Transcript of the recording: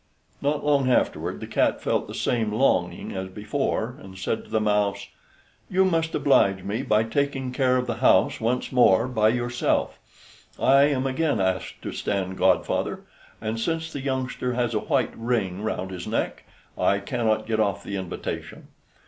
Not long afterward the cat felt the same longing as before, and said to the mouse: "You must oblige me by taking care of the house once more by yourself; I am again asked to stand godfather, and, since the youngster has a white ring round his neck, I cannot get off the invitation."